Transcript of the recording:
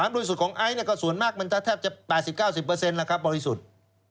บริสุทธิ์ของไอซ์ก็ส่วนมากมันจะแทบจะ๘๐๙๐แล้วครับบริสุทธิ์